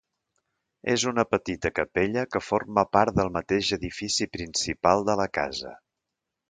És una petita capella que forma part del mateix edifici principal de la casa.